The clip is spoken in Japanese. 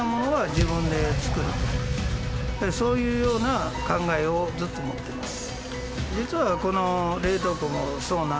そういうような考えをずっと持ってます。